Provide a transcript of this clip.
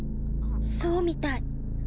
そうみたい。